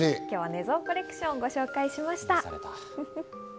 今日は寝相コレクションをご紹介しました。